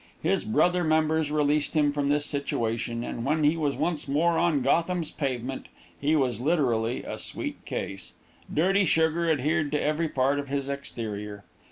His brother members released him from his situation, and, when he was once more on Gotham's pavement, he was literally a sweet case. Dirty sugar adhered to every part of his exterior.